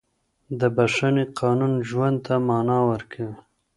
د بښې قانون ژوند ته معنا ورکوي.